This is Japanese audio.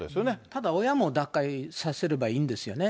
ただ親も脱会させればいいんですよね。